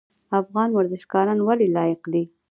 افغان ورزشکاران ولې لایق دي؟